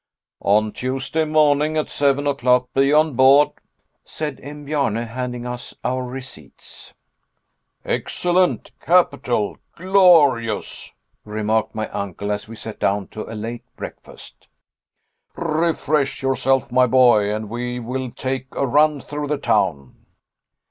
"On Tuesday morning at seven o'clock be on board," said M. Bjarne, handing us our receipts. "Excellent! Capital! Glorious!" remarked my uncle as we sat down to a late breakfast; "refresh yourself, my boy, and we will take a run through the town."